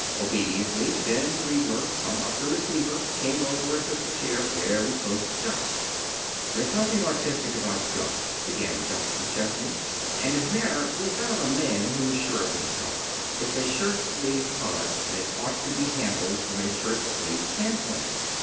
Obediently Ben Griebler hung up the receiver, came over, and took the chair very close to Jock. [Illustration: "'Let's not waste any time,' he said"] "There's nothing artistic about gum," began Jock McChesney; and his manner was that of a man who is sure of himself. "It's a shirt sleeve product, and it ought to be handled from a shirt sleeve standpoint.